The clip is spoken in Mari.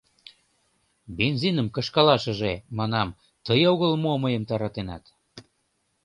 — Бензиным кышкалашыже, манам, тый огыл мо мыйым таратенат?